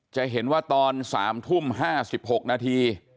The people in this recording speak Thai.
จะเห็นว่าตอน๓ทุ่ม๕๖นาที